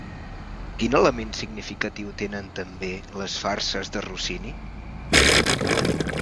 Quin element significatiu tenen també les farses de Rossini?